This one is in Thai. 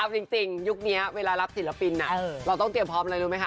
จริงยุคนี้เวลารับศิลปินเราต้องเตรียมพร้อมอะไรรู้ไหมค